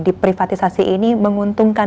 di privatisasi ini menguntungkan